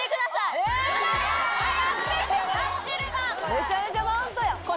・・めちゃめちゃマウントやん！